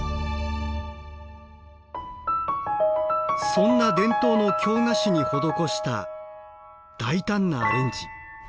そんな伝統の京菓子に施した大胆なアレンジ。